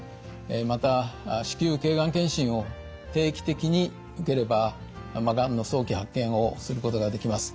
また子宮頸がん検診を定期的に受ければがんの早期発見をすることができます。